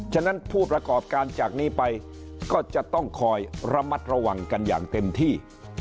ฉะนั้นผู้ประกอบการจากนี้ไปก็จะต้องคอยระมัดระวังกันอย่างเต็มที่